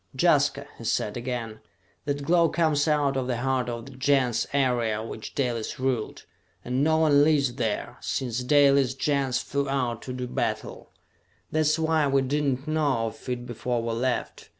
"Jaska," he said again, "that glow comes out of the heart of the Gens area which Dalis ruled! And no one lives there, since Dalis' Gens flew out to do battle! That's why we did not know of it before we left!